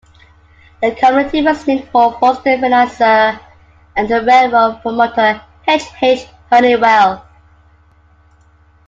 The community was named for Boston financer and railroad promoter H. H. Hunnewell.